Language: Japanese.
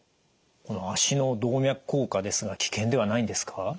この脚の動脈硬化ですが危険ではないんですか？